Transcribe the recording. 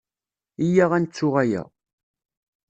Iyya ad nettu aya.